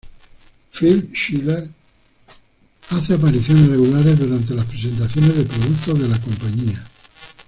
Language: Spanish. Phil Schiller hace apariciones regulares durante las presentaciones de productos de la compañía.